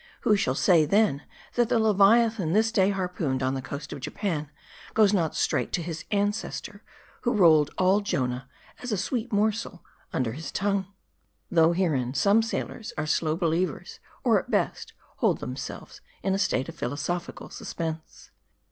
Who shall say, then, that the leviathan this day harpooned on the coast of Japan, goes not straight to his ancestor, who rolled all Jonah, as a sweet morsel, under his tongue ? Though herein, some sailors are slow believers, or at best hold themselves in a state of philosophical suspense.